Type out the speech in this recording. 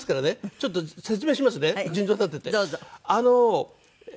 ちょっと説明しますね順序立てて。